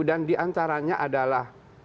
dan diantaranya adalah